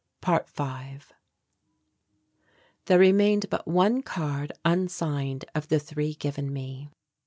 ~5~ There remained but one card unsigned of the three given me.